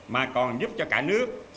mà còn giúp cho cả nước